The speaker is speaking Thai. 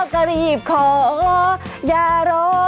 คู่กันสมัทขาว